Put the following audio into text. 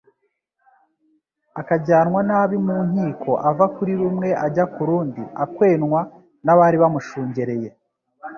akajyanwa nabi mu nkiko ava kuri rumwe ajya ku rundi, akwenwa n'abari bamushungereye.